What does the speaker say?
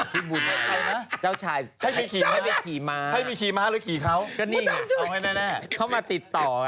หรือเขาจะขี่ม้านี้